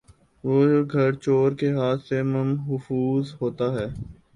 وہ گھر چورکے ہاتھ سے ممحفوظ ہوتا ہے